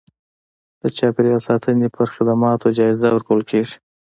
د چاپیریال ساتنې پر خدماتو جایزه ورکول کېږي.